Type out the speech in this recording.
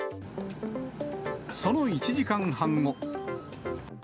その１時間半後。